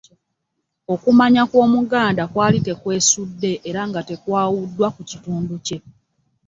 Okumanya kw’Omuganda kwali tekwesudde era nga tekwawuddwa ku kitundu kye.